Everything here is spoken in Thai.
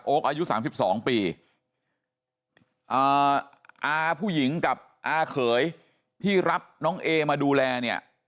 อายุ๓๒ปีอาผู้หญิงกับอาเขยที่รับน้องเอมาดูแลเนี่ย